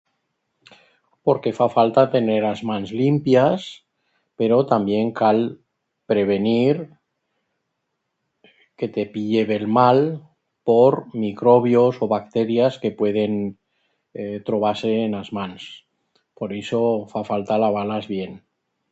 Porque fa falta tener as mans limpias, pero tamién cal prevenir que te pille bel mal por microbios o bacterias que pueden trobar-se en as mans por ixo fa falta lavar-las bien.